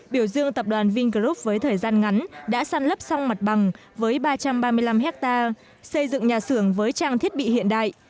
biểu dương tập đoàn vingroup với thời gian ngắn đã săn lấp xong mặt bằng với ba trăm ba mươi năm hectare xây dựng nhà xưởng với trang thiết bị hiện đại